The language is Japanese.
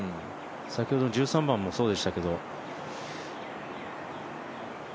先ほどの１３番もそうでしたけど。